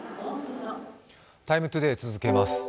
「ＴＩＭＥ，ＴＯＤＡＹ」続けます。